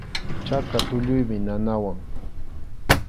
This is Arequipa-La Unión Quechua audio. Chaka tulluymi nanawan.